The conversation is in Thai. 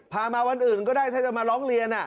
พามาวันอื่นก็ได้ถ้าจะมาร้องเรียน